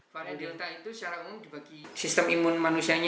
varian delta itu secara umum dibagi sistem imun manusianya